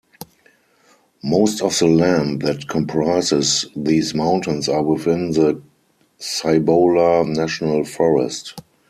Most of the land that comprises these mountains are within the Cibola National Forest.